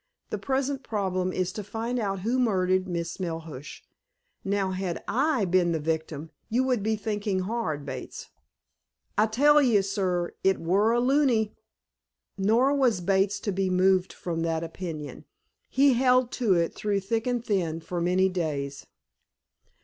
The present problem is to find out who murdered Miss Melhuish. Now, had I been the victim you would be thinking hard, Bates." "I tell 'ee, sir, it wur a loony." Nor was Bates to be moved from that opinion. He held to it, through thick and thin, for many days.